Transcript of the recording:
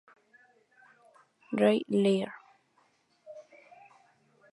Rey Lear.